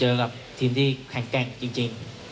กับทีมที่แข็งแกร่งจริง